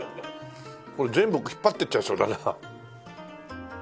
これ全部引っ張ってちゃいそうだな。